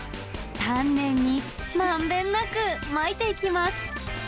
丹念にまんべんなくまいていきます。